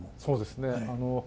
そうですね。